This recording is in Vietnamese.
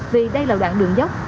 vì đây là đoạn đường dốc